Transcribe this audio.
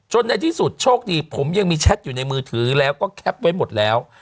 ในที่สุดโชคดีผมยังมีแชทอยู่ในมือถือแล้วก็แคปไว้หมดแล้ว